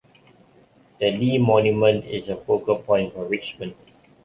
The Lee Monument is a focal point for Richmond.